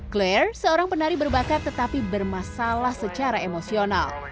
claire seorang penari berbakat tetapi bermasalah secara emosional